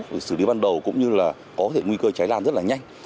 để xử lý ban đầu cũng như là có nguy cơ cháy lan rất là nhanh